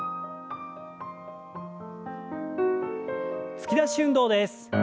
突き出し運動です。